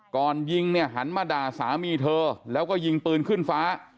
ก่อนยิงเนี่ยหันมาด่าสามีเธอแล้วก็ยิงปืนขึ้นฟ้า